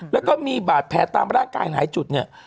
แล้วก็มีบาดแผลตามร่างกายหลายจุดเนี่ย